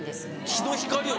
日の光を。